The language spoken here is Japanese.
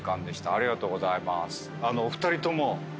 ありがとうございます。